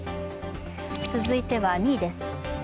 続いては２位です。